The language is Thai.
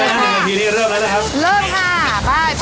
เริ่มถึงหนึ่งนาทีนี่เริ่มเลยล่ะครับ